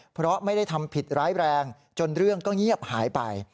เพราะไม่ได้ทำผิดร้ายแรงจนเรื่องก็เงียบหายไป